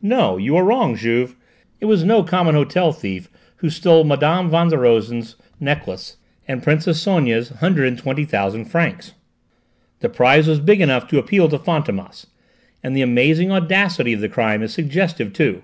"No, you are wrong, Juve: it was no common hotel thief who stole Mme. Van den Rosen's necklace and Princess Sonia's hundred and twenty thousand francs; the prize was big enough to appeal to Fantômas: and the amazing audacity of the crime is suggestive too.